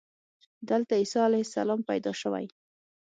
دلته عیسی علیه السلام پیدا شوی.